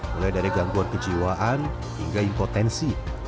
mulai dari gangguan kejiwaan hingga impotensi